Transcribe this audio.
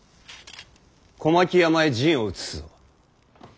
小牧山へ陣を移すぞ。